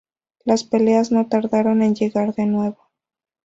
Las peleas no tardaron en llegar de nuevo.